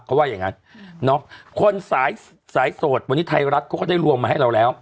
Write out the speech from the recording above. เขาว่าอย่างนั้นคนสายสายโสดวันนี้ไทยรัฐเขาก็ได้รวมมาให้เราแล้ว